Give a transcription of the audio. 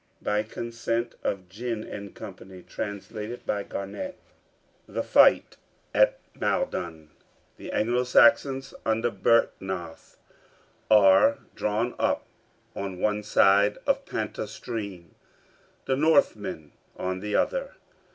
By consent of Ginn & Co. Translation of Garnett. THE FIGHT AT MALDON [The Anglo Saxons under Byrhtnoth are drawn up on one side of Panta stream, the Northmen on the other.